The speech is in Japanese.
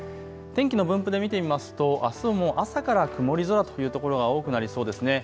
天気の分布で見てみますとあすも朝から曇り空というところが多くなりそうですね。